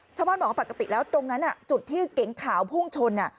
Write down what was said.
ชาวบ้านบอกว่าปกติแล้วตรงนั้นจุดที่เก๋งขาวพุ่งชน